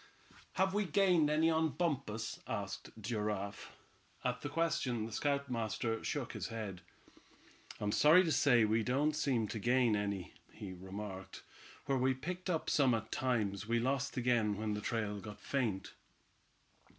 "Have we gained any on Bumpus?" asked Giraffe. At this question the scoutmaster shook his head. "I'm sorry to say we don't seem to gain any," he remarked. "Where we picked up some at times, we lost again when the trail got faint."